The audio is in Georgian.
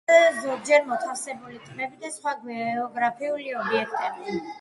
მასზე ზოგჯერ მოთავსებულია ტბები და სხვა გეოგრაფიული ობიექტები.